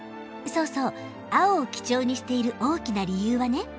そうそう青を基調にしている大きな理由はね